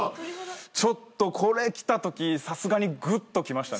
ちょっとこれ来たときさすがにぐっときましたね。